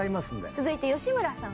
続いて吉村さん